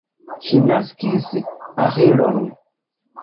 Ŝi naskis Aĥilon.